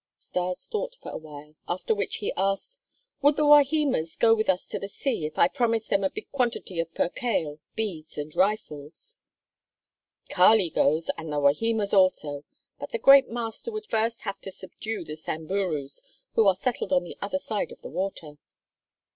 Stas thought for a while, after which he asked: "Would the Wahimas go with us to the sea, if I promised them a big quantity of percale, beads, and rifles?" "Kali goes and the Wahimas also, but the great master would first have to subdue the Samburus, who are settled on the other side of the water."